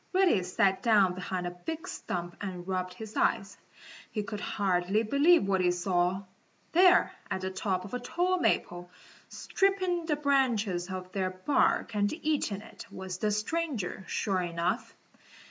Reddy sat down behind a big stump and rubbed his eyes. He could hardly believe what he saw. There at the top of the tall maple, stripping the branches of their bark and eating it, was the stranger, sure enough.